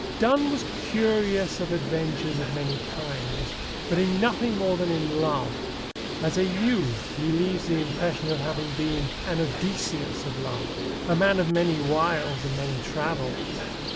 Donne was curious of adventures of many kinds, but in nothing more than in love. As a youth he leaves the impression of having been an Odysseus of love, a man of many wiles and many travels.